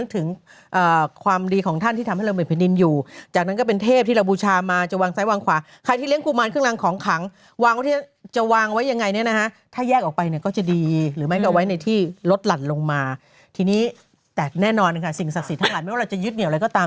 แต่แน่นอนค่ะสิ่งศักดิ์สิทธิ์ทั้งหลายไม่ว่าเราจะยึดเหนียวอะไรก็ตาม